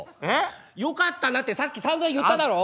「よかったな」ってさっきさんざん言っただろ？